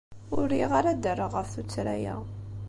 Ur riɣ ara ad d-rreɣ ɣef tuttra-a.